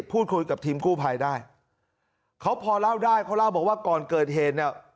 พูดคุยกับทีมกู้ภัยได้เขาพอเล่าได้เขาเล่าบอกว่าก่อนเกิดเหตุเนี่ย